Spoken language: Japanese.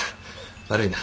悪いな。